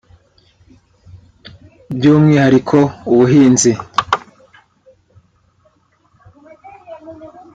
By’umwihariko ubuhinzi